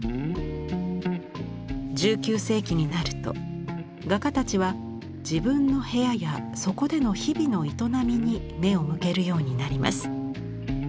１９世紀になると画家たちは自分の部屋やそこでの日々の営みに目を向けるようになります。